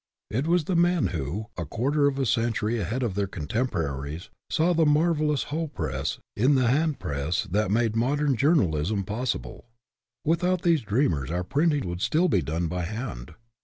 It was the men who, a quarter of a century ahead of their contemporaries, saw the marvel ous Hoe press in the hand press that made modern journalism possible. Without these dreamers our printing would still be done by hand.